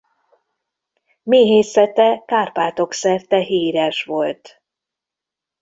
Méhészete Kárpátok szerte híres volt.